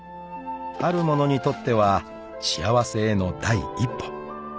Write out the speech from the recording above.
［ある者にとっては幸せへの第一歩］